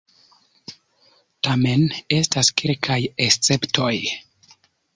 Tamen, estas kelkaj esceptoj.